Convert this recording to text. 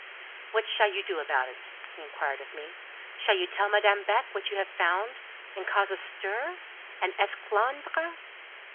"What shall you do about it?" he inquired of me. "Shall you tell Madame Beck what you have found, and cause a stir—an esclandre?"